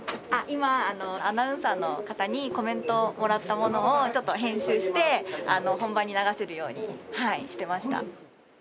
今アナウンサーの方にコメントをもらったものをちょっと編集して本番に流せるようにしてました。